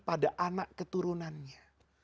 pada anak keturunannya